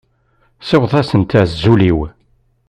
Siwḍet-asent azul-iw.